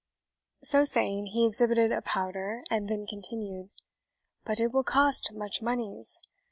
So saying, he exhibited a powder, and then continued, "But it will cost much moneys.